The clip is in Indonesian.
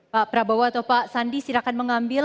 pak prabowo atau pak sandi silahkan mengambil